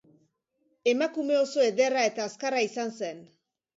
Emakume oso ederra eta azkarra izan zen.